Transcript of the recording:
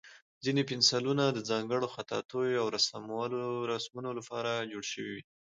ځینې پنسلونه د ځانګړو خطاطیو او رسمونو لپاره جوړ شوي وي.